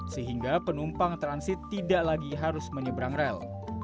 sehingga penumpang transit tidak lagi harus menyeberang rel